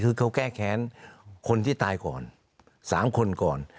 คือเขาแก้แค้นคนที่ตายก่อน๓คนก่อน